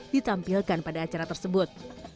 ditampilkan pada acara tersebut